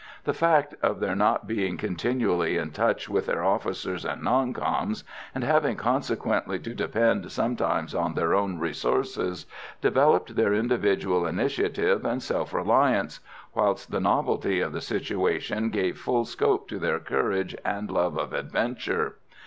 The fact of their not being continually in touch with their officers and "non coms," and having consequently to depend sometimes on their own resources, developed their individual initiative and self reliance; whilst the novelty of the situation gave full scope to their courage and love of adventure.